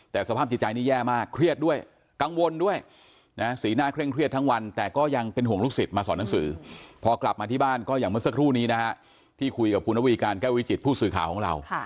แต่สภาพจิตใจนี่แย่มากเครียดด้วยกังวลด้วยนะสีหน้าเคร่งเครียดทั้งวันแต่ก็ยังเป็นห่วงลูกศิษย์มาสอนหนังสือพอกลับมาที่บ้านก็อย่างเมื่อสักครู่นี้นะฮะที่คุยกับคุณนวีการแก้ววิจิตผู้สื่อข่าวของเรา